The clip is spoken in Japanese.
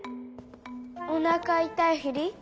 おなかいたいふり？